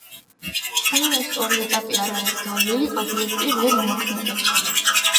სანამ ეს ორი ეტაპი არ არის გავლილი ობიექტი ვერ იმოქმედებს.